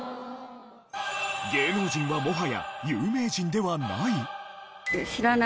芸能人はもはや有名人ではない？